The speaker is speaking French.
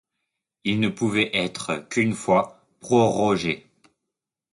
Il ne pouvait être qu'une fois prorogé.